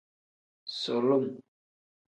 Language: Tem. Sulum.